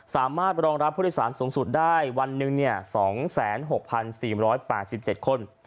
สามารถรองรับผู้โดยสารสูงสุดได้วันหนึ่ง๒๖๔๘๗คน